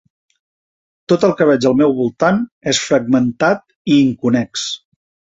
Tot el que veig al meu voltant és fragmentat i inconnex.